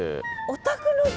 お宅の父